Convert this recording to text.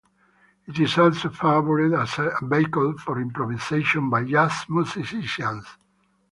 It is also favored as a vehicle for improvisation by jazz musicians.